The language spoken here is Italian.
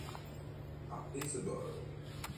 A peso d'oro